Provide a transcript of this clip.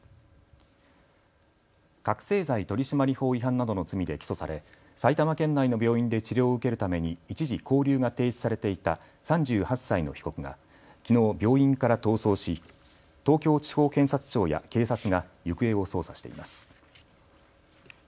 覚醒剤取締法違反などの罪で起訴され埼玉県内の病院で治療を受けるために一時勾留が停止されていた３８歳の被告がきのう病院から逃走し東京地方検察庁や警察が行方を捜査しています。